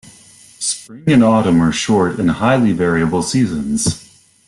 Spring and autumn are short and highly variable seasons.